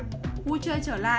sinh hoạt vui chơi trở lại